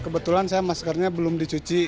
kebetulan saya maskernya belum dicuci